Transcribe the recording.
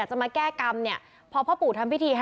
ทั้งหมดนี้คือลูกศิษย์ของพ่อปู่เรศรีนะคะ